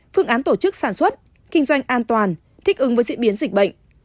phương án tổ chức sản xuất kinh doanh an toàn thích ứng với diễn biến dịch bệnh